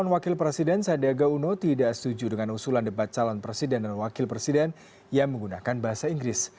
dan wakil presiden sandiaga uno tidak setuju dengan usulan debat calon presiden dan wakil presiden yang menggunakan bahasa inggris